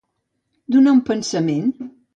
Durar un pensament.